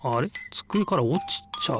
つくえからおちちゃう。